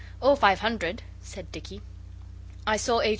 'Or five hundred,' said Dicky. I saw H.